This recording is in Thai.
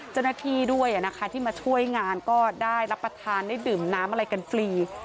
เจ้าหน้าที่ด้วยนะคะที่มาช่วยงานก็ได้รับประทานได้ดื่มน้ำอะไรกันฟรี